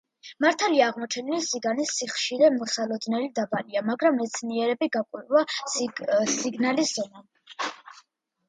მართალია, აღმოჩენილი სიგნალის სიხშირე მოსალოდნელზე დაბალია, მაგრამ მეცნიერები გააკვირვა სიგნალის ზომამ.